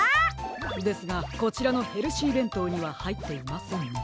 ですがこちらのヘルシーべんとうにははいっていませんね。